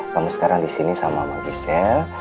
kamu sekarang disini sama mama giselle